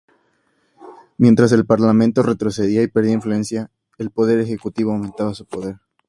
Mientras el parlamento retrocedía y perdía influencia, el poder ejecutivo aumentaba su poder.